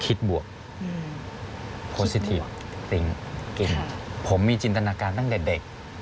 คิดบวกอืมคิดบวกติ๊งติ๊งเก่งครับผมมีจินตนาการตั้งแต่เด็ก